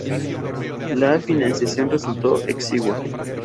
La financiación resultó exigua.